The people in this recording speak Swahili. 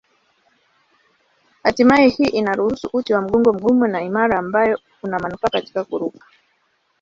Hatimaye hii inaruhusu uti wa mgongo mgumu na imara ambayo una manufaa katika kuruka.